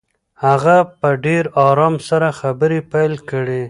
هغه په ډېر آرام سره خبرې پیل کړې.